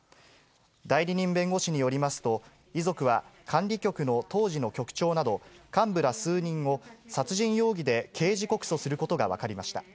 代理人弁護士によりますと、遺族は管理局の当時の局長など、幹部ら数人を殺人容疑で刑事告訴することが分かりました。